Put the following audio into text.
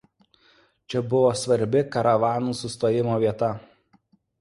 Čia buvo svarbi karavanų sustojimo vieta.